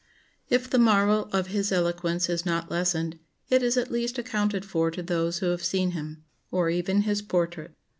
] "If the marvel of his eloquence is not lessened, it is at least accounted for to those who have seen him, or even his portrait.